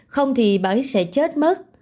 không thì bà ấy sẽ chết mất